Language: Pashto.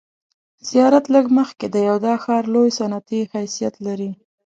زیارت لږ مخکې دی او دا ښار لوی صنعتي حیثیت لري.